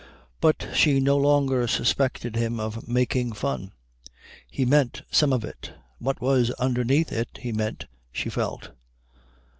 but she no longer suspected him of making fun. He meant some of it. What was underneath it he meant, she felt.